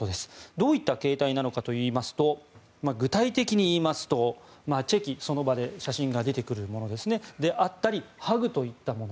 どういった形態なのかといいますと具体的に言いますとチェキその場で写真が出てくるものであったりハグといったもの